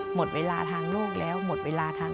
หมดเวลาทางโลกแล้ว